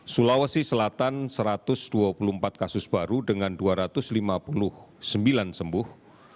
sulawesi selatan satu ratus dua puluh empat kasus baru dengan dua ratus lima puluh sembilan sembuh